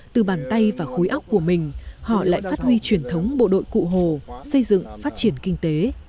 từ bàn tay và khối óc của mình họ lại phát huy truyền thống bộ đội cụ hồ xây dựng phát triển kinh tế